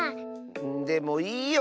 でもいいよ